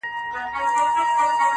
• اختر نژدې دی.